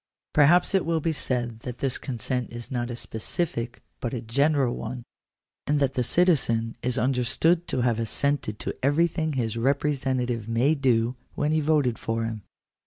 Perhaps it will be said that this consent is not a specific, but a general one, and that the citizen is understood to have assented to everything his repre sentative may do, when he voted for him.